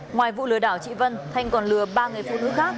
ngoài vụ lừa đảo chị vân thanh còn lừa ba người phụ nữ khác